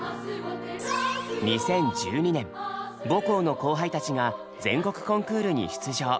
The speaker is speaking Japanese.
２０１２年母校の後輩たちが全国コンクールに出場。